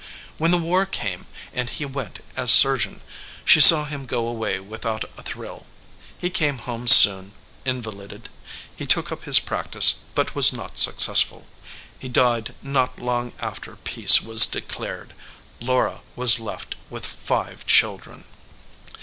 When the war came and he went as sur geon, she saw him go away without a thrill. He came home soon, invalided. He took up his prac tice, but was not successful. He died not long after peace was declared. Laura was left with five children.